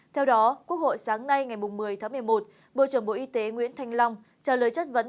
theo đó quốc hội sáng nay ngày một mươi tháng một mươi một bộ trưởng bộ y tế nguyễn thanh long trả lời chất vấn